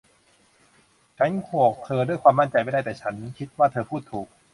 ฉันบอกเธอด้วยความมั่นใจไม่ได้ แต่ฉันคิดว่าเธอพูดถูก